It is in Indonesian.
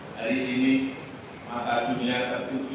dari ini mata dunia tertuju